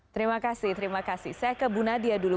terima kasih terima kasih saya ke bu nadia dulu